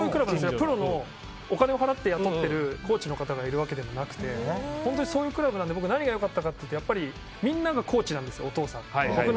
プロのお金を払って雇っているコーチの方がいるわけではなくて本当にそういうクラブなので僕、何が良かったかというとみんながコーチなんです。